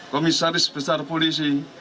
komisaris besar polisi